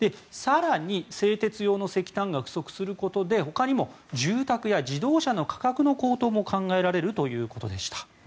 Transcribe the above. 更に製鉄用の石炭が不足することでほかにも住宅や自動車の価格の高騰も考えられるということでした。